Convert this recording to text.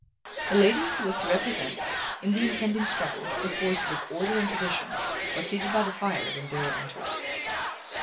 The lady who was to represent, in the impending struggle, the forces of order and tradition was seated by the fire when Darrow entered.